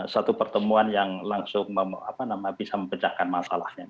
satu pertemuan yang langsung apa namanya bisa mempecahkan masalahnya